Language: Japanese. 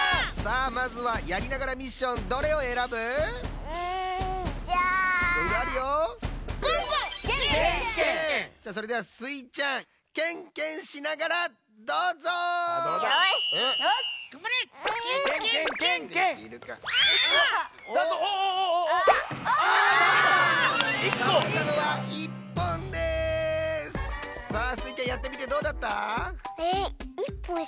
さあスイちゃんやってみてどうだった？